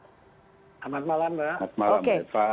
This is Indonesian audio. selamat malam mbak